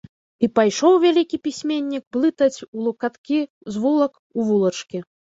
І пайшоў вялікі пісьменнік блытаць улукаткі з вулак у вулачкі.